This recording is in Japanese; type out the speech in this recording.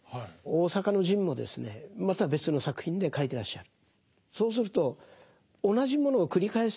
大坂の陣もですねまた別の作品で書いてらっしゃる。